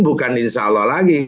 bukan insya allah lagi